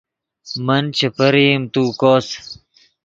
من چے پرئیم تو کوس